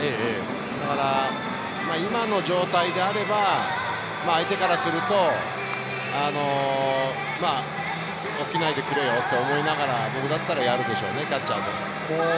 だから今の状態であれば、相手からすると、起きないでくれよと思いながらやるでしょうね、キャッチャーだったら。